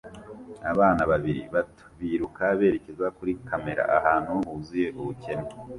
Abana babiri bato biruka berekeza kuri kamera ahantu huzuye ubukene